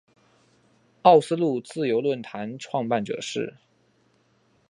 奥斯陆自由论坛创办者是。